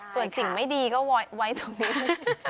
ส่วนสิ่งไม่ดีก็ไว้ตรงนี้